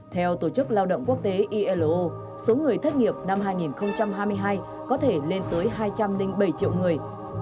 theo tổ chức lao động quốc tế ilo số người thất nghiệp năm hai nghìn hai mươi hai có thể lên tới hai trăm linh bảy triệu người